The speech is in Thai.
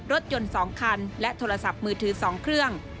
รถยนต์๒คันและโทรศัพท์มือถือ๒เครื่อง